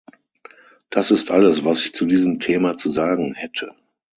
Das ist alles was ich zu diesem Thema zu sagen hätte.